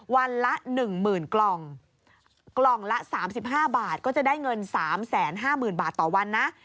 วันละ๑๐๐๐กล่องกล่องละ๓๕บาทก็จะได้เงิน๓๕๐๐๐บาทต่อวันนะ